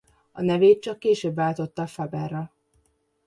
A nevét csak később váltotta Faber-ra.